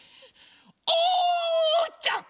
おうちゃん！